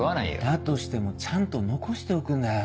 だとしてもちゃんと残しておくんだよ。